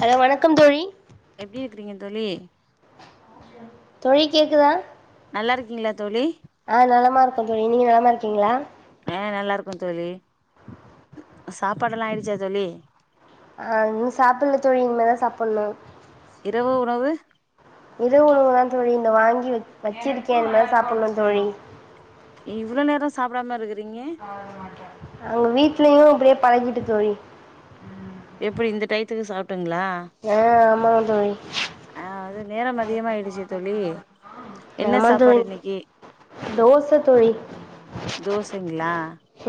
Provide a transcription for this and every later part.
hello வணக்கம் தோழி எப்டி இருக்குறீங்க தோழி தோழி கேக்குதா நல்லா இருக்கீங்களா தோழி ஆ நலமா இருக்க தோழி நீங்க நலமா இருக்கீங்களா ஆ நல்லா இருக்க தோழி சாப்பாடெல்லா ஆயிடுச்சா தோழி ஆ இன்னு சாப்புட்ல தோழி இனிமே தா சாப்புட்ணு இரவு உணவு இரவு உணவு தா தோழி இந்த வாங்கி வச் வச்சிருக்கே இனிமேதா சாப்புட்ணு தோழி இவ்ளோ நேரோ சாப்புடாமா இருக்குறீங்க அங்க வீட்லயு அப்டியே பழகிட்டு தோழி எப்டி இந்த டையத்துக்கு சாப்ட்டுங்களா ஆ ஆமாங்க தோழி ஆ அது நேரம் அதிகமாயிடுச்சு தோழி என்ன ஆமா தோழி சாப்பாடு இன்னைக்கு தோச தோழி தோசைங்ளா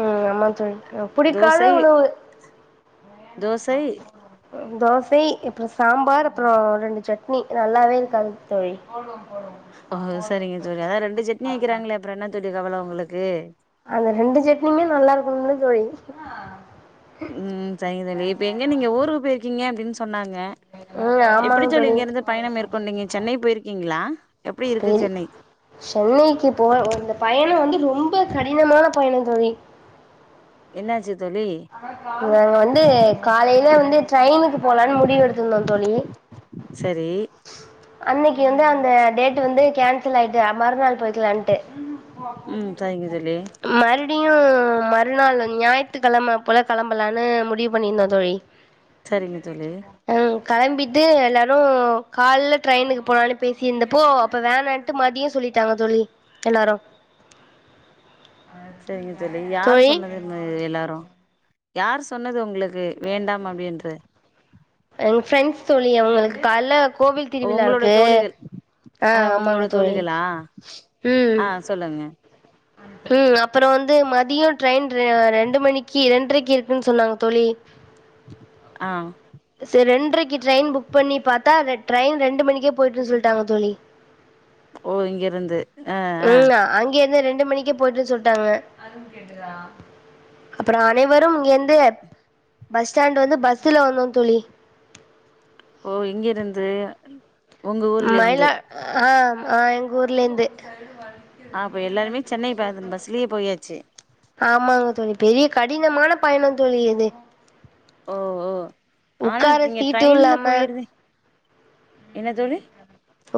ம் ஆமா தோழி புடிக்காத தோசை உணவு தோசை தோசை அப்புறோ சாம்பார் அப்புறோ ரெண்டு சட்னி நல்லாவே இருக்காது தோழி அங்க ஓ சரிங்க தோழி அதா ரெண்டு சட்னி வக்கிறாங்களே அப்பறோ என்னாத்துக்கு கவல ஒங்களுக்கு அப ரெண்டு சட்னிமே நல்லா இருக்கனும்ல தோழி ம் சரிங்க தோழி இப்ப எங்க நீங்க ஊருக்கு போயிருக்கீங்க அப்டின்னு சொன்னாங்க ம் எப்டி ஆமாங்க தோழி இங்கிருந்து பயணம் மேற்கொண்டீங்க சென்னை போயிருக்கீங்களா எப்டி இருக்கு பெரி சென்னை சென்னைக்கு போ இந்த பயணம் வந்து ரொம்ப கடினமான பயணம் தோழி என்னாச்சு தோழி நாங்க வந்து காலையில வந்து ட்ரெயினுக்கு போலான்னு முடிவு எடுத்திருந்தோ தோழி சரி அன்னைக்கு வந்து அந்த டேட் வந்து கேன்சல் ஆயிட்டு மறுநாள் போய்க்கலான்ட்டு ம் சரிங்க தோழி மறுபடியு மறுநாள் ம் ஞாயித்துக்கிழம போல கிளம்பலான்னு முடிவு பண்ணியிருந்தோ தோழி சரிங்க தோழி கெளம்பிட்டு எல்லாரும கால்ல ட்ரெயினுக்கு போனான்னு பேசிருந்தப்போ அப்போ வேன் ஆ இட்டு மாதியே சொல்லிட்டாங்க தோழி எல்லாரு தோழி வ எல்லாரு யார் சொன்னது உங்களுக்கு வேண்டாம் அப்டின்ற எங்க ஃப்ரெண்ட்ஸ் தோழி அவங்களுக்கு கால்ல கோவில் திருவிழா உங்களுடைய இருக்கு தோழிகள் அ ஆ ஆமாங்க உங்களோட தோழி தோழிகளா ம் ஆ சொல்லுங்க ம் அப்றோ வந்து மதியம் ட்ரெயின் ரெ ரெண்டு மணிக்கு ரெண்டரைக்கு இருக்குன்னு சொன்னாங்க தோழி ஆ சேரி ரென்ட்ரைக்கு ட்ரெயின் புக் பண்ணி பாத்தா அந்த ட்ரெயின் ரெண்டு மணிக்கே போயிட்டு சொல்டாங்க தோழி ஓ இங்க இருந்து ஆ ஆ ம் அங்கே இருந்து ரெண்டு ரெண்டு மணிக்கே போயிட்டு சொல்டாங்க அப்பற அனைவரும் இங்க இருந்து பஸ் ஸ்டாண்ட் வந்து பஸ்ல வந்தோ தோழி ஒ எங்க இருந்து உங்க ஊர்ல இருந்து மயிலா அ அ எங்க ஊர்ல இருந்து அ அப்போ எல்லாருமே சென்னை ப பஸ்லயே போயாச்சு ஆமாங்க தோழி பெரிய கடினமான பயணம் தோழி இது ஒ ஒ ஆனா உக்கார நீங்க சீட்டு ட்ரெயின்ல இல்லாம போயிருந்து என்ன தோழி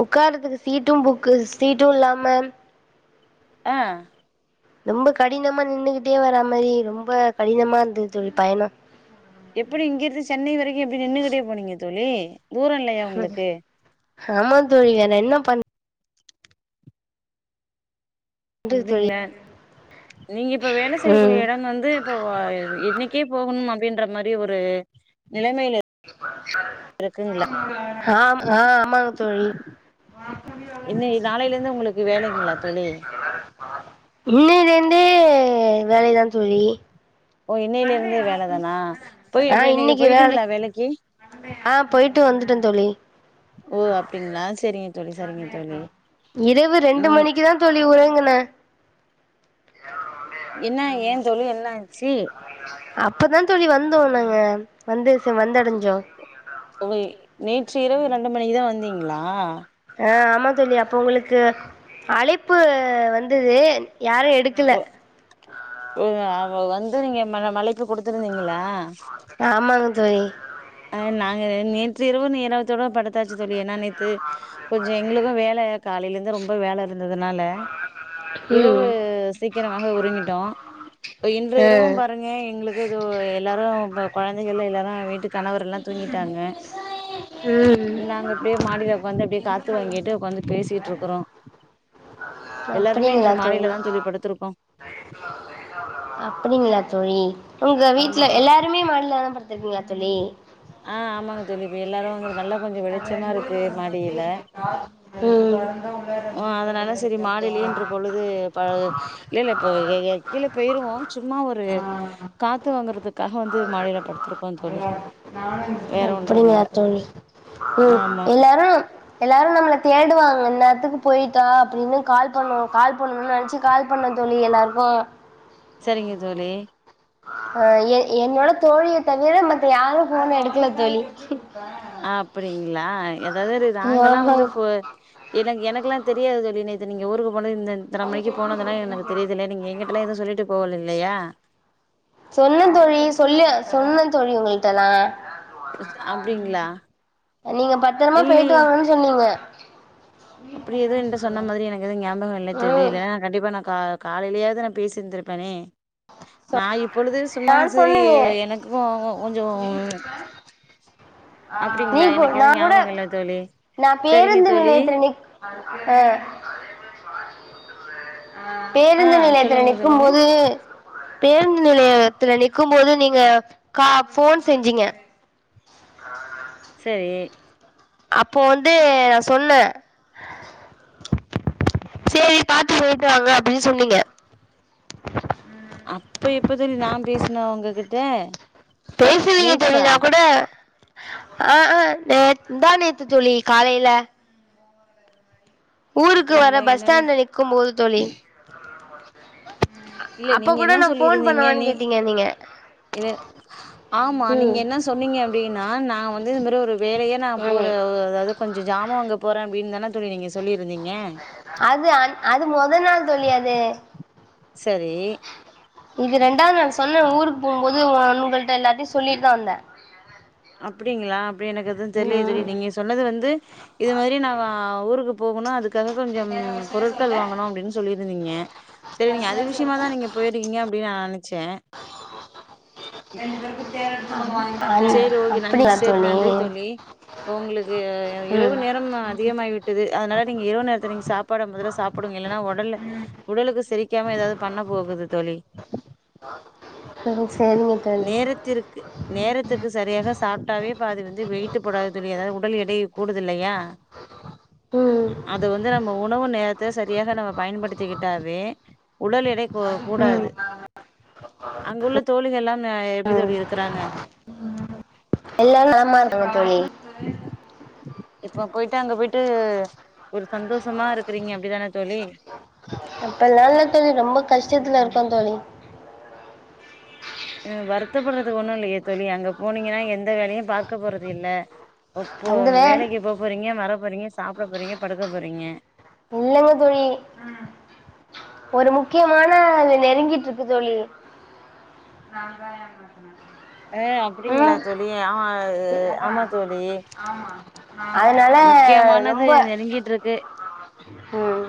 உக்காரதுக்கு சீட்டும் புக்கு சீட்டு இல்லாம அ ரொம்ப கடினமா நின்னுகிட்டே வரா மாதிரி ரொம்ப கடினமா இருந்தது தோழி பயணம் எப்டி இங்கிருந்து சென்னை வரைக்கு எப்டி நின்னுகிட்டே போனீங்க தோழி தூரோ இல்லையா உங்களுக்கு ஆமா தோழி வேற என்ன பண் பண்றது தோழி அப்டிங்களா நீங்க இப்ப வேல ம் செய்யக்கூடிய எடம் வந்து எப்போவா என்னைக்கே போகணும் அப்டின்ற மாதிரி ஒரு நிலைமல அ அ ஆமாங்க தோழி இன்னை நாளையில இருந்து உங்களுக்கு வேலைங்களா தோழி இன்னைல இருந்தே வேலைதா தோழி ஒ இன்னையில இருந்தே வேல தானா போய் இப்ப இன்னைக்கு போயிட்டீங்களா வேலைக்கு அ போயிட்டு வந்துட்டோம் தோழி ஒ அப்டிங்களா சேரிங்க இரவு ரெண்டு ம் மணிக்கு தா தோழி உறங்குனே என்ன ஏ தோழி என்னாச்சு அப்பதா தோழி வந்தோம் நாங்க வந்து வந்தடைஞ்சோம் தோழி நேற்று இரவு ரெண்டு மணிக்கு தான் வந்தீங்களா அ ஆமா தோழி அப்போ உங்களுக்கு அழைப்பு வந்தது யாரும் எடுக் ஒ வந்து நீங்க மழ மழைக்கு குடுத்துருந்தீங்களா ஆமாங்க தோழி அ நாங்க நேற்று இரவு நேரத்தோட படுத்தாச்சு தோழி ஏன்னா நேத்து கொஞ்ச எங்களுக்கு வேல காலையில இருந்து ரொம்ப வேல இருந்ததுனால இரவு ம் சீக்கிரமாக உறங்கிட்டோ இப்ப இன்று ஆ இரவு பாருங்க எங்களுக் இதோ எல்லாரு கொழந்தைகள் எல்லாரு வீட்டு கணவர் எல்லா தூங்கிட்டாங்க ம் நாங்க இப்டியே மாடியில உக்காந்து அப்டியே காத்து வாங்கிட்டு உக்காந்து பேசிட்டு இருக்குறோ எல்லாருமே இன்று மாடில தா தோழி படுத்திருக்கோ அப்படிங்களா தோழி உங்க ஆமா வீட்ல எல்லாருமே மாடிலதா படுத்துருக்கீங்களா தோழி ஆ ஆமாங்க தோழி இப்ப எல்லாரு வந்து நல்லா கொஞ்ச வெளிச்சமா இருக்கு மாடியில ம் அ அதனால சரி மாடிலே இன்ற பொழுது ப இல்ல இல்ல இப்ப கீழ போயிருவோ சும்மா ஒரு காத்து வாங்குறதுக்காக வந்து மாடியில படுத்திருக்கோ தோழி வேற ஒன்றும் அப்படிங்களா இல்ல தோழி ம் ஆமா எல்லாரு எல்லாரு நம்மள தேடுவாங்க இந் நேரத்துக்கு போயிட்ட அப்டினு கால் பண்ணுவோ கால் பண்ணுனு நெனச்சு கால் பண்ணு தோழி எல்லாருக்கு சரிங்க தோழி அ எ என்னோட தோழிய தவிர மத்த யாரு ஃபோன் எடுக்கல தோழி அப்டிங்களா ஏதாது நாங்கல்லா ஆமா வந்து ஃபோ எனக்கு எனக்குலா தெரியாது தோழி நேத்து நீங்க ஊருக்கு போன இந்த இத்தன மணிக்கு போனதெல்லா எனக்கு தெரியிதுல நீங்க எங்கட் எல்லா எதுவு சொல்லிட்டு போவல இல்லயா சொன்ன தோழி சொல்ல சொன்ன தோழி உங்களிட்டல்லா அப்டிங்களா நீங்க பத்திரமா போயிட்டு இல்லையே வாங்கன் சொன்னீங்க அப்டி எது என்ட சொன்ன மாரி எனக்கு எது ஞாபக இல்ல தோழி ம் இல்லனா கண்டிப்பா நா கா காலையிலயாது நா பேசிருந்திருப்பனே நா இப்பொழுது சும்மா நா செரி சொன்னனே எனக்கு கொஞ்சொ நீ கூ எனக்கு நா எதுவு கூட ஞாபகம் இல்ல தோழி நா சரிங்க பேருந்து தோழி நிலையத்துல நிக் அ ஆ பேருந்து நிலையத்துல சொல்லுங்க நிக்கும் சொல்லுங்க போது பேருந்து நிலையத்துல நிக்கும் போது நீங்க கா ஃபோன் செஞ்சீங்க செரி அப்போ வந்து நா சொன்ன சேரி பாத்து போயிட்டு வாங்க அப்டின் சொன்னீங்க அப்ப எப்ப தோழி நா பேசின உங்ககிட்ட பேசுவீங்க தோழி நேற்றா நா கூட ஆ ஆ நேத் முந்தாநேத்து தோழி காலையில ஊருக்கு வர அப்டிங்களா பஸ் என்னன்னு ஸ்டாண்ட்ல நிக்கும்போது தோழி இல்ல அப்ப நீங்க கூட என்ன நா ஃபோன் சொல்லிருந்தீங்க பண்ணவான்னு நீ கேட்டீங்க நீங்க இல ஆமா நீங்க ம் என்ன சொன்னீங்க அப்டின்னா நா வந்து இது மாரி ஒரு வேலையா நா ம் போற அதாது கொஞ்ச ஜாமா வாங்க போற அப்டின்னு தான தோழி நீங்க சொல்லிருந்தீங்க அது அன் அது மொத நாள் தோழி அது சரி இது ரெண்டாவது நாள் சொன்ன ஊருக்கு போம்போது உன் உங்கள்ட்ட எல்லாத்தையு சொல்லிட்டு தா வந்த [unintelligible] அப்டிங்களா அப்டி எனக்கு எது தெரிலயே தோழி நீங்க சொன்னது வந்து இது மாரி நாங்க ஊருக்கு போகணு அது அது கொஞ்சம் பொருட்கள் வாங்கணு அப்டின்னு சொல்லியிருந்தீங்க செரி நீங்க அது விஷயமா தா நீங்க போயிருக்கீங்க அப்டின்னு நா நினைச்சேன் [unintelligible] செரி ஓகே நன் சேரி நன்றி தோழி உங்களுக்கு இரவு ம் நேரம் தா அதிகமாயிவிட்டது அதனால நீங்க இரவு நேரத்து நீங்க சாப்பாடு முதல்ல சாப்புடுங்க இல்லன்னா உடல்ல உடலுக்கு செரிக்காம ஏதாது பண்ண போகுது தோழி ஒ சேரிங்க நேரத்திற்கு நேரத்துக்கு சரியாக சாப்பிட்டாவே பாதி வந்து வெயிட்டு போடாது தோழி அதாது உடல் எடை கூடுது இல்லையா ம் அது வந்து நம்ம உணவு நேரத்த சரியாக நம்ம பயன்படுத்திக்கிட்டாவே உடல் எடை கூ ம் கூடாது அங்குள்ள தோழிகள் எல்லாம் ஆ எப்டி தோழி இருக்குறாங்க எல்லா நலமா இருங்காங்க தோழி ம் இப்ப போயிட்டு அங்க போயிட்டு ஒரு சந்தோஷமா இருக்கிறீங்க அப்டித்தானா தோழி அப்டிலால்ல தோழி ரொம்ப கஷ்டத்துல இருக்கோ தோழி வருத்தப்படுறதுக்கு ஒண்ணு இல்லயே தோழி அங்க போனீங்கன்னா எந்த வேலையும் பாக்க போறது இல்ல போ அந்த வே வேலைக்கு போக போறீங்க வர போறீங்க சாப்பிட போறீங்க படுக்க போறீங்க இல்லங்க தோழி ஒரு முக்கியமான நெருங்கிட்டு இருக்கு தோழி நாந்தா ஏமாத்துனா அ அப்டிங்ளா தோழி அ ஆமா தோழி அதனால முக்கியமானது ரொம்ப நெருங்கிட்டுருக்கு ம்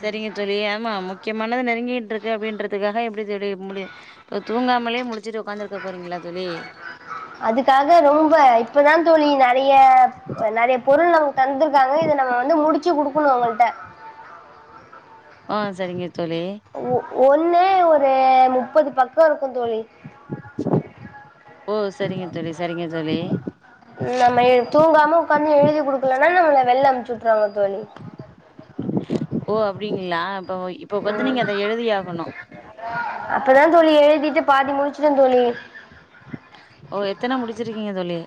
செரிங்க தோழி ஆமா முக்கியமானது நெருங்கிட்டுருக்கு அப்டின்றதுக்காக எப்டி தோழி முடி இப்ப தூங்காமலே முழிச்சிட்டு உக்காந்து இருக்க போறீங்ளா தோழி அதுக்காக ரொம்ப இப்பதா தோழி நறைய நறைய பொருள் நமக்கு தந்திருக்காங்க இத நம்ம வந்து முடிச்சு குடுக்கனும் அவங்கிட்ட அ செரிங்க தோழி ஒ ஒன்னே ஒரு முப்பது பக்கம் இருக்கும் தோழி ஓ செரிங்க தோழி செரிங்க தோழி ம் நம்ம எ தூங்காம உக்காந்து எழுதி குடுக்கலனா நம்மள வெல்ல அமுச்சுவுட்ருவாங்க தோழி ஓ அப்டிங்ளா இப்ப இப்ப வந்து நீங்க அத எழுதியாகணும் அப்பதா தோழி எழுதிட்டு பாதி முடிச்சுட்டே தோழி ஓ எத்தன முடிச்சிருக்கீங்க தோழி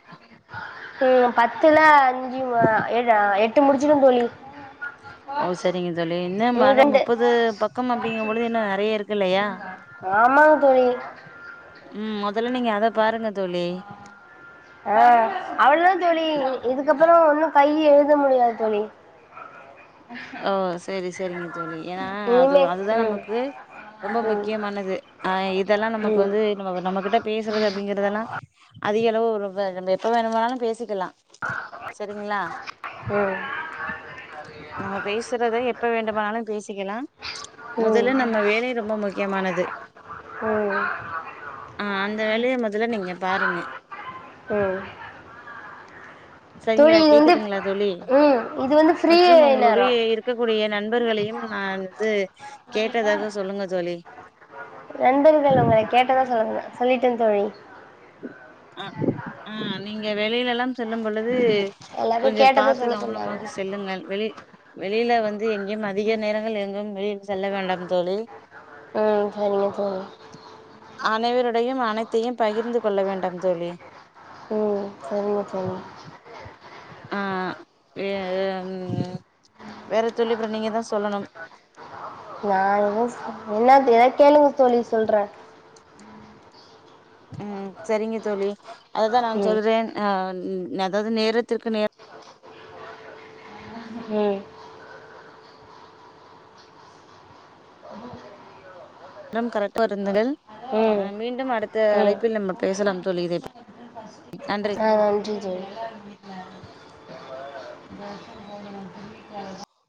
ம் பத்துல அஞ்சு ம ஏழு எட்டு முடிச்சிட்டே தோழி ஓ சரிங்க தோழி என்ன மல ரெண்டு முப்பது பக்கம் அப்படிங்கும் பொழுது இன்னு நெறைய இருக்கு இல்லையா ஆமாங் தோழி ம் மொதல்ல நீங்க அத பாருங்க தோழி அ அவ்ளோதா தோழி இதுக்கப்றோ ஒன்னு கை எழுத முடியாது தோழி ஓ செரி செரிங்க தோழி ஏன்னா அது இனிமே அதுதா ம் நமக்கு ரொம்ப ம் முக்கியமானது அ இதல்லா நமக்கு ம் வந்து நம்ம நம்ம கிட்ட பேசுறது அப்டிங்கிறதெல்லா அதிக அளவு ரொம்ப நம்ம எப்ப வேணுமானாலு பேசிக்கலா செரிங்களா உம் நம்ம பேசுறத எப்ப வேண்டுமானாலு பேசிக்கலா ம் மொதல்ல நம்ம வேலை ரொம்ப முக்கியமானது உம் அ அந்த வேலய மொதல்ல நீங்க பாருங்க உம் சரிங்களா இது வந்து கேக்குதுங்களா தோழி ம் இது வந்து ஃப்ரீ மற்றும் உங்களுடைய நேரம் இரு க்கக் கூடிய நண்பர்களையு நான் வந்து கேட்டதாக சொல்லுங்க தோழி நண்பர்கள உங்களை கேட்டதா சொல்லுங்க சொல்லிட்டேந் தோழி அ அ நீங்க வெளியிலல்லாம் செல்லும் பொழுது எல்லாரையு கொஞ்சம் கேட்டத பாத்து சொல்ல சொன்னாங்க கவனமாக செல்லுங்கள் வெளி யில வந்து எங்கும் அதிக நேரங்கள் எங்கும் வெளியில் செல்ல வேண்டாம் தோழி உம் சரிங்க தோழி அனைவருடையும் அனைத்தையும் பகிர்ந்து கொள்ள வேண்டும் தோழி உம் சரிங்க தோழி அ வே உம் வேற தோழி அப்றம் நீங்க தா சொல்லணும் நா எது சொ என்னா எதா கேளுங்க தோழி சொல்றே உம் சரிங்க தோழி அததா நா ம் சொல்றேன் அ அதாவது நேரத்திற்கு நே உம் ரம் கரெக்டா இருந்துங்கள் ம் மீண்டும் அடுத்த ம் அழைப்பில் நம்ம பேசலாம் தோழி இதை ப நன்றி அ நன்றி தோழி